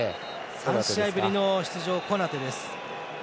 ３試合ぶりの出場コナテです。